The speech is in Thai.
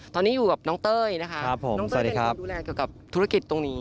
ตอนนี้อยู่กับน้องเต้ยนะคะน้องเต้ยเองดูแลเกี่ยวกับธุรกิจตรงนี้